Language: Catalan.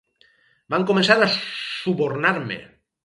Van començar a subornar-me!